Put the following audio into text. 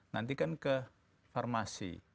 nanti kan ke farmasi